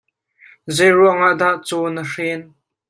Zei ruang ah dah caw na hren?